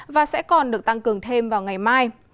và sẽ còn được tăng cường thêm vào ngày mai